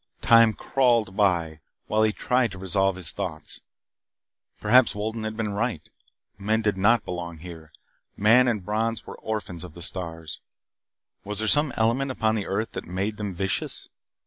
Time crawled by while he tried to resolve his thoughts. Perhaps Wolden had been right. Men did not belong here. Man and Brons were orphans of the stars. Was there some element upon the earth that made them vicious?